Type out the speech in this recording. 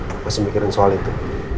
aku masih mikirin soal itu